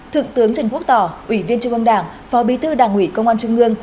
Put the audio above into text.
thượng tướng trần quốc tảo ủy viên trung ương đảng phó bí tư đảng ủy công an trung ương